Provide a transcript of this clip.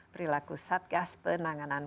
perilaku satgas penanganan